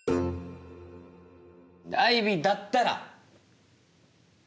アイビーだったら。